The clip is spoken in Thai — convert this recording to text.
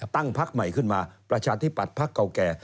ตั้งภักษ์ใหม่ขึ้นมาประชาธิบัติภักษ์เก่าแก่